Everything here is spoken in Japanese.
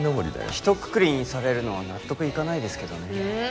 ひとくくりにされるのは納得いかないですけどねうん？